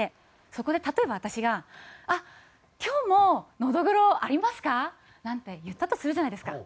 そこで例えば私が「あっ！今日ものどぐろありますか？」なんて言ったとするじゃないですか。